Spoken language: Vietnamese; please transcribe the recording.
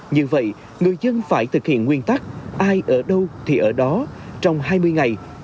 như vậy người dân phải thực hiện nguyên tắc ai ở đâu thì ở đó trong hai mươi ngày